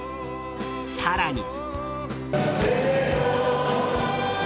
更に。